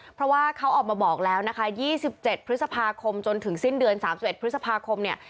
เพราะว่าเขาออกมาบอกแล้วนะคะ๒๗พฤษภาคมจนถึงสิ้นเดือน๓๑พฤษภาคมเนี่ย